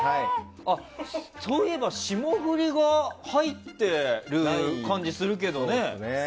そういえば霜降りが入ってる感じするけどね。